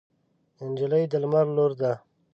نجلۍ د لمر لور ده.